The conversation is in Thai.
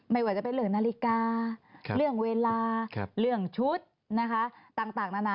ไม่ว่าจะเป็นเรื่องนาฬิกาเรื่องเวลาเรื่องชุดนะคะต่างนานา